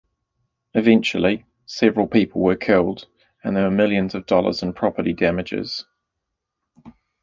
Eventually, several people were killed and there were millions of dollars in property damages.